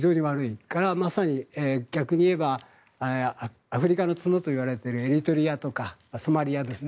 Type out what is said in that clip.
それからまさに逆に言えばアフリカの角といわれているエリトリアとかソマリアですね。